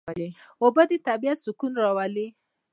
اوبه د طبیعت سکون راولي.